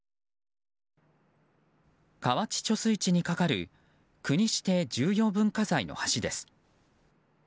河内貯水池にかかる国指定重要文化財の橋です。